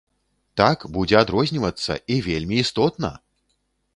Так, будзе адрознівацца, і вельмі істотна!!!!